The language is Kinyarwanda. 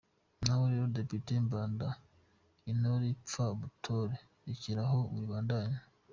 Ngaho rero Depite Mbanda, intore ipfa butore, rekera aho wibandabanda.